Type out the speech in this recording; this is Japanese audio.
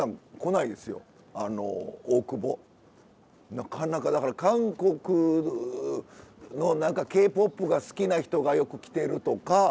なかなかだから韓国の何かＫ−ＰＯＰが好きな人がよく来てるとか。